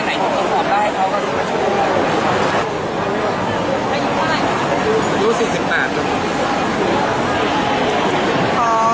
นั่งคุยเจ้าจี้กว่า